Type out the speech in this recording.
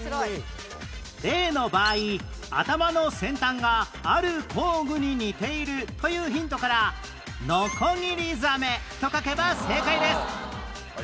例の場合「頭の先端がある工具に似ている」というヒントから「ノコギリザメ」と書けば正解です